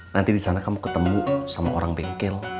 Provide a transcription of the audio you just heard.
nanti di sana kamu ketemu sama orang bengkel